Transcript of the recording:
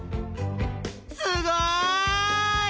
すごい！